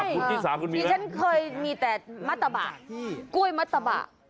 คุณชิสาคุณมีดิฉันเคยมีแต่มัตตะบะกล้วยมัตตะบะ